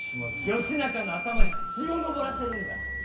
義仲の頭に血を上らせるんだ。